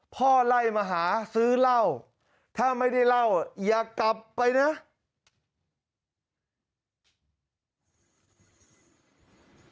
พ่อไล่มาหาซื้อเหล้าถ้าไม่ได้เล่าอย่ากลับไปนะ